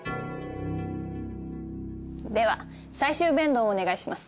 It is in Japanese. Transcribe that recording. では最終弁論をお願いします。